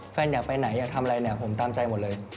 แฟนอยากไปไหนอยากทำอะไรผมตามใจหมดเลย